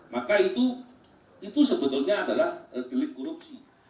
maka itu sebetulnya adalah delik korupsi